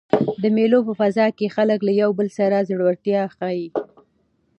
د مېلو په فضا کښي خلک له یو بل سره زړورتیا ښيي.